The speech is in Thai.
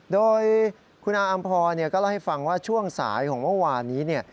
โดยคุณอาอำพรก็เล่าให้ฟังว่าช่วงสายของเมื่อวานนี้